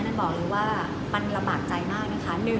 บอกเลยว่ามันลำบากใจมากนะคะ